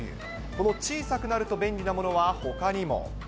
この小さくなると便利なものはほかにも。